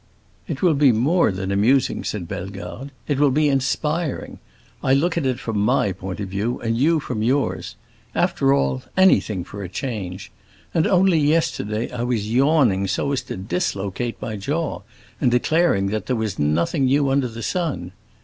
"It will be more than amusing," said Bellegarde; "it will be inspiring. I look at it from my point of view, and you from yours. After all, anything for a change! And only yesterday I was yawning so as to dislocate my jaw, and declaring that there was nothing new under the sun!